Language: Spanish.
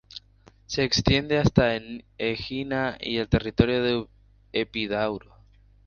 Se extiende hasta Egina y el territorio de Epidauro.